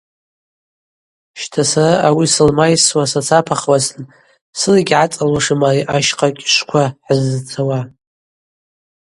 Щта сара ари сылмайсуа сацапахуазтын сыла йгьгӏацӏалуашым ари ащхъа кӏьышвква хӏыззцауа.